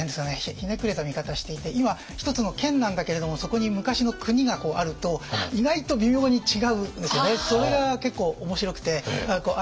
ひねくれた見方していて今一つの県なんだけれどもそこに昔の国があると意外と微妙に違うんですよね。